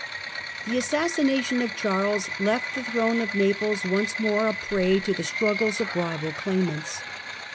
The assassination of Charles left the throne of Naples once more a prey to the struggles of rival claimants.